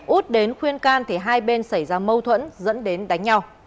út đến khuyên can thì hai bên xảy ra mâu thuẫn dẫn đến đánh nhau